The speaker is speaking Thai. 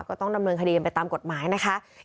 ก็ต้องดำเนินคดีกันไปตามกฎหมายนะคะ